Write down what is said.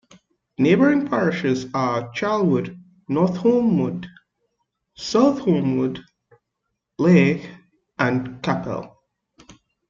Neighbouring parishes are Charlwood, North Holmwood, South Holmwood, Leigh and Capel.